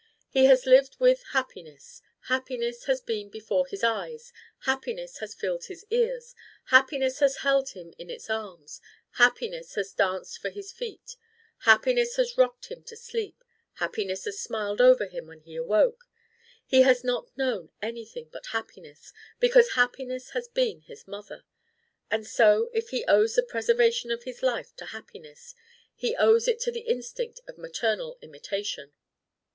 He has lived with Happiness; Happiness has been before his eyes; Happiness has filled his ears; Happiness has held him in its arms; Happiness has danced for his feet; Happiness has rocked him to sleep; Happiness has smiled over him when he awoke. He has not known anything but Happiness because Happiness has been his mother. And so, if he owes the preservation of his life to Happiness, he owes it to the instinct of maternal imitation."